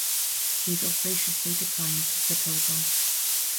Hazel graciously declines his proposal.